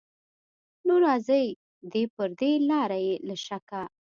نو راځي دې پر دې لاره بې له شکه